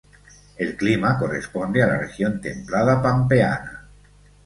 El clima corresponde a la región templada pampeana.